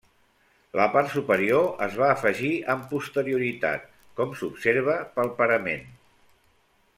La part superior es va afegir amb posterioritat, com s'observa pel parament.